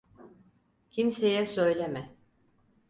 Kimseye söyleme.